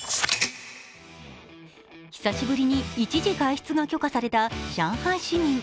久しぶりに一時外出が許可された上海市民。